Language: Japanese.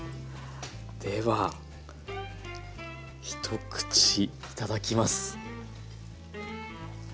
では一口いただきます。